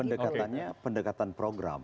pendekatannya pendekatan program